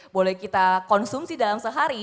boleh kita konsumsi dalam sehari